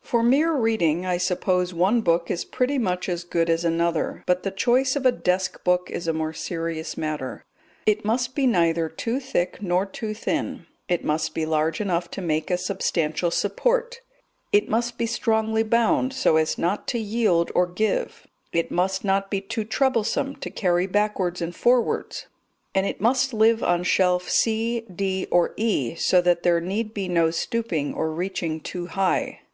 For mere reading I suppose one book is pretty much as good as another; but the choice of a desk book is a more serious matter. It must be neither too thick nor too thin; it must be large enough to make a substantial support; it must be strongly bound so as not to yield or give; it must not be too troublesome to carry backwards and forwards; and it must live on shelf C, D, or E, so that there need be no stooping or reaching too high.